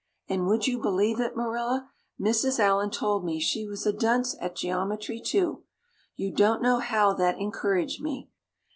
And would you believe it, Marilla? Mrs. Allan told me she was a dunce at geometry too. You don't know how that encouraged me.